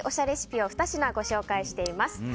レシピを２品ご紹介しています。